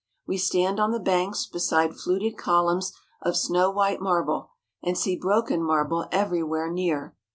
We stand on the banks beside fluted columns of snow white marble, and see broken marble everywhere near.